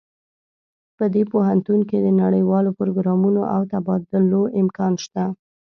په دې پوهنتون کې د نړیوالو پروګرامونو او تبادلو امکان شته